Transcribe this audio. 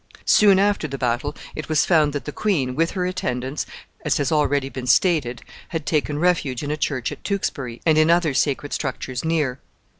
Soon after the battle, it was found that the queen, with her attendants, as has already been stated, had taken refuge in a church at Tewkesbury, and in other sacred structures near.